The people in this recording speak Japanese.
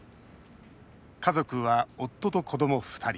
家族は夫と子ども２人。